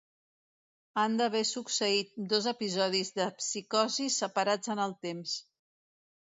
Han d'haver succeït dos episodis de psicosi separats en el temps.